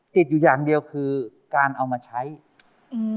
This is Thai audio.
ติดอยู่อย่างเดียวคือการเอามาใช้อืม